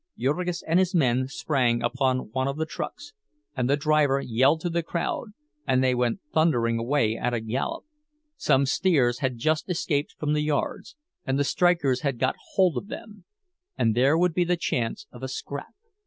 Jurgis and his men sprang upon one of the trucks, and the driver yelled to the crowd, and they went thundering away at a gallop. Some steers had just escaped from the yards, and the strikers had got hold of them, and there would be the chance of a scrap!